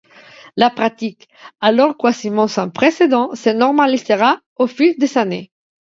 La pratique, alors quasiment sans précédent, se normalisera au fil des années.